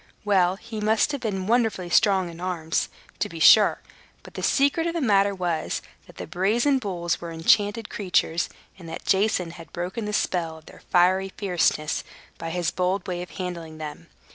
Well, he must have been wonderfully strong in his arms, to be sure. But the secret of the matter was, that the brazen bulls were enchanted creatures, and that Jason had broken the spell of their fiery fierceness by his bold way of handling them.